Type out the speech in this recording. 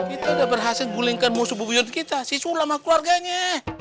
kita udah berhasil gulingkan musuh bubun kita si sulamah keluarganya